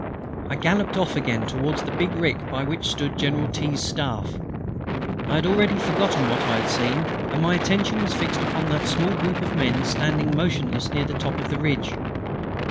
I galloped off again towards the big rick by which stood General T.'s Staff. I had already forgotten what I had seen, and my attention was fixed upon that small group of men standing motionless near the top of the ridge.